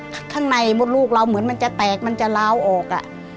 ข้างในมดลูกเราเหมือนมันจะแตกมันจะล้าวออก